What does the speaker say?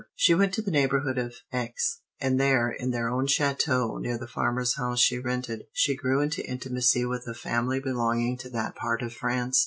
She went to the neighborhood of Aix; and there, in their own château near the farmer's house she rented, she grew into intimacy with a family belonging to that part of France.